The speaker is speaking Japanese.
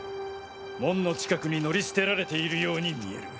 門の近くに乗り捨てられているように見える。